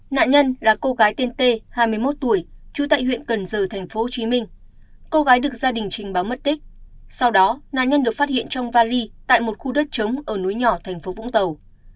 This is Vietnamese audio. nạn nhân là cô gái tên t hai mươi một tuổi trú tại huyện cần giờ thành phố hồ chí minh cô gái được gia đình trình báo mất tích sau đó nạn nhân được phát hiện trong vali tại một khu đất trống ở núi nhỏ thành phố vũng tàu